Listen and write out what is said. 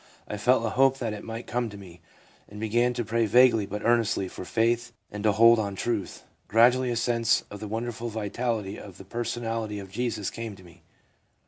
I felt a hope that it might come to me, and began to pray vaguely but earnestly for faith and a hold on truth. Gradually a sense of the wonderful vitality of the personality of Jesus came to me.